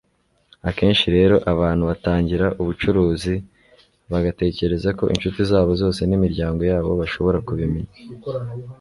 akenshi rero abantu batangira ubucuruzi bagatekereza ko inshuti zabo zose nimiryango yabo bashobora kubimenya